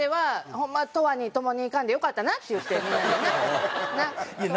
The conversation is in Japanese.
ホンマ永遠にともにいかんでよかったなって言ってみんなでな？